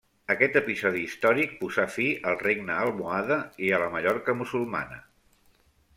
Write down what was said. Aquest episodi històric posà fi al regne almohade i a la Mallorca musulmana.